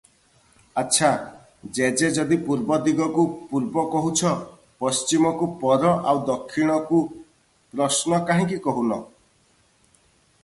ଆଛା ଜେଜେ ଯଦି ପୂର୍ବ ଦିଗକୁ ପୂର୍ବ କହୁଛ, ପଶ୍ଚିମକୁ ପର ଆଉ ଦକ୍ଷିଣ କୁ ପ୍ରଶ୍ନ କାହିଁକି କହୁନ?